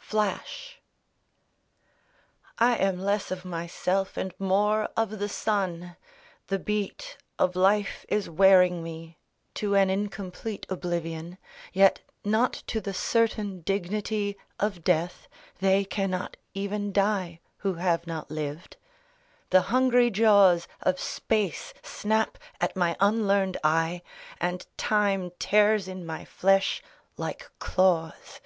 FLASH I am less of myself and more of the sun ; The beat of life is wearing me To an incomplete oblivion. Yet not to the certain dignity Of death. (They cannot even die Who have not lived.) The hungry jaws Of space snap at my unlearned eye. And time tears in my flesh like claws.